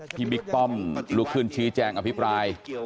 บิ๊กป้อมลุกขึ้นชี้แจงอภิปราย